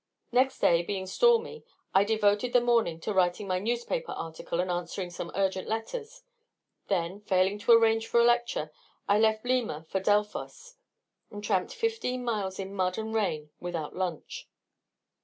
Next day being stormy, I devoted the morning to writing my newspaper article and answering some urgent letters; then, failing to arrange for a lecture, I left Lima for Delphos, and tramped fifteen miles in mud and rain without lunch.